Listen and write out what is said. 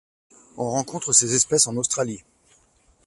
On rencontre ces espèces en Australie.